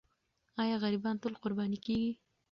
آیا غریبان تل قرباني کېږي؟